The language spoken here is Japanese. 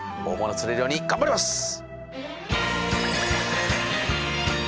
大物釣れるように頑張ります！